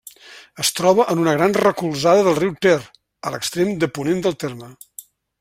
Es troba en una gran recolzada del riu Ter, a l'extrem de ponent del terme.